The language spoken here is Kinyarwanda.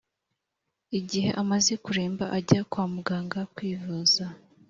Igihe amaze kuremba ajya kwamuganga kwivuza